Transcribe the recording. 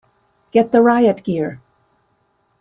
Get the riot gear!